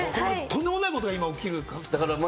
とんでもないことが起きる。